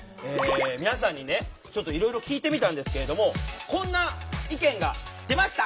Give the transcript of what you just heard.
皆さんにねちょっといろいろ聞いてみたんですけれどもこんな意見が出ました！